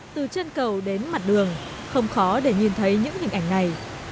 từ chân cầu đến mặt đường không khó để nhìn thấy những hình ảnh này